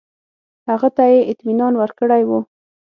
هغه ته یې اطمینان ورکړی وو.